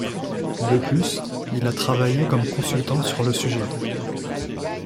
De plus, il a travaillé comme consultant sur le sujet.